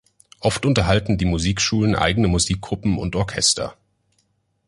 Oft unterhalten die Musikschulen eigene Musikgruppen und Orchester.